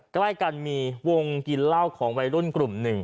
ใกล้กันมีวงกินเหล้าของวัยรุ่นกลุ่มหนึ่ง